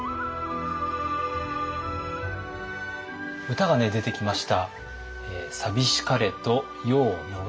歌がね出てきました。